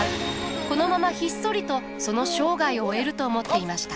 このままひっそりとその生涯を終えると思っていました。